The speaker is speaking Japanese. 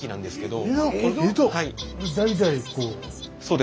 代々こう。